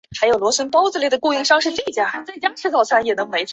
正因为是他我才愿意